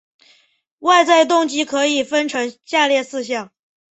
外在动机可以分成下列四项